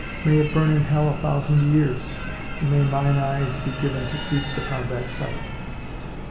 May it bum in hell a thousand years and may mine eyes be given to feast upon that sight."